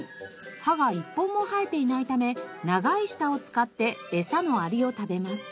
歯が１本も生えていないため長い舌を使ってエサのアリを食べます。